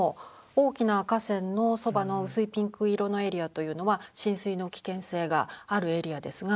大きな河川のそばの薄いピンク色のエリアというのは浸水の危険性があるエリアですが。